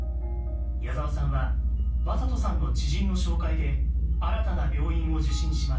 矢沢さんは魔裟斗さんの知人の紹介で新たな病院を受診します。